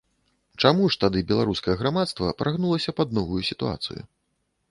Чаму ж тады беларускае грамадства прагнулася пад новую сітуацыю?